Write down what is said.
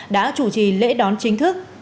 đã chủ trì lễ đón chính thức